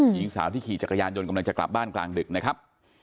หญิงสาวที่ขี่จักรยานยนต์กำลังจะกลับบ้านกลางดึกนะครับ